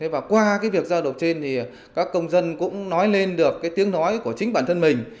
và qua việc giao lộp trên các công dân cũng nói lên được tiếng nói của chính bản thân mình